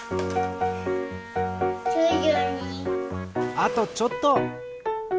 あとちょっと。